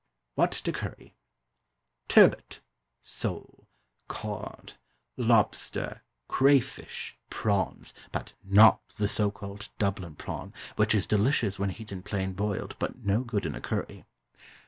What to Curry. TURBOT. SOLE. COD. LOBSTER. CRAYFISH. PRAWNS, but not the so called "DUBLIN PRAWN," which is delicious when eaten plain boiled, but no good in a curry.